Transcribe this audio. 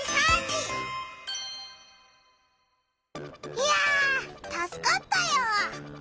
いやたすかったよ。